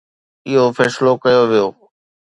اهو فيصلو ڪيو ويو